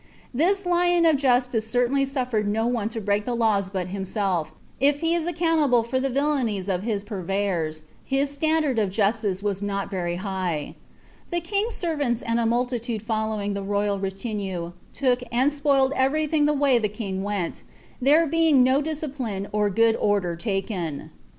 This Lion of Justice certainly suffered no one to break the law* but himself, if he is accountable for the villanies of his purveyors, his ilam) ard of justice was not very high :"' the king's servants, and a multindt following the royal reliuue, took and spoiled everything the way lb* king went, there being no discipline or good order taken.